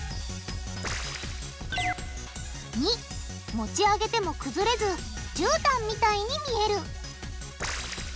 ②持ち上げてもくずれずじゅうたんみたいに見える。